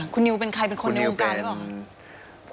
คุณนิวเป็นใครเป็นคนในวงการหรือเปล่าคะ